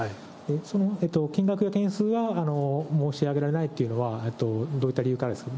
その金額や件数は申し上げられないというのは、どういった理由からですか。